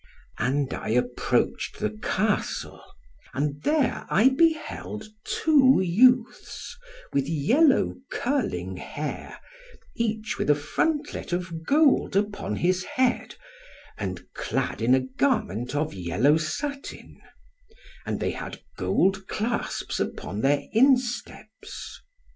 And I approached the Castle, and there I beheld two youths, with yellow curling hair, each with a frontlet of gold upon his head, and clad in a garment of yellow satin; and they had gold clasps upon their insteps.